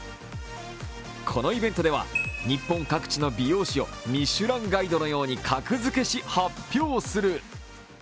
このイベントでは、日本各地の美容師を「ミシュランガイド」のように格付けし、発表する。